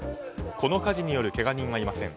この火事によるけが人はいません。